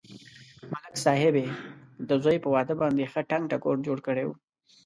ملک صاحب یې د زوی په واده باندې ښه ټنگ ټکور جوړ کړی و.